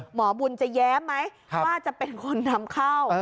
หมอบุญจะแย้มไหมว่าจะเป็นคนนำเข้า